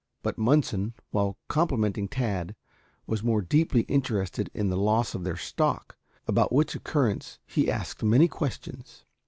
But Munson, while complimenting Tad, was more deeply interested in the loss of their stock, about which occurrence he asked many questions.